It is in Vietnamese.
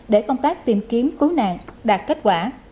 để công tác tìm kiếm cứu nạn đạt kết quả